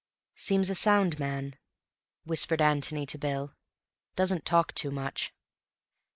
"Seems a sound man," whispered Antony to Bill. "Doesn't talk too much."